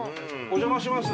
お邪魔します。